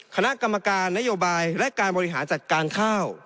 คณะกรรมการนโยบายและการบริหารจัดการข้าว